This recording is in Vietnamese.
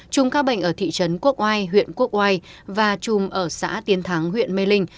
chùm ca bệnh ở thị trấn quốc oai huyện quốc oai và chùm ở xã tiến thắng huyện mê linh